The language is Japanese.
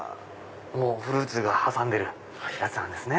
フルーツが挟んでるやつなんですね。